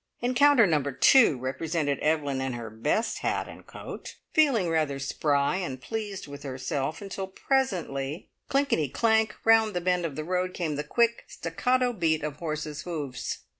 Encounter number two represented Evelyn in her best hat and coat, feeling rather spry and pleased with herself, until presently, clinketty clank, round the bend of the road came the quick, staccato beat of horses' hoofs.